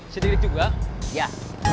sendiri juga ya